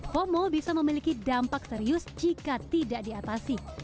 fomo bisa memiliki dampak serius jika tidak diatasi